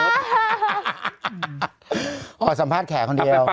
สัมภาษณ์แขกคนเดียว